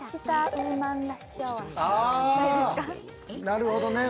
なるほどね。